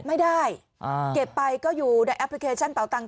ไม่ได้เก็บไปก็อยู่ในแอปพลิเคชันเป่าตัง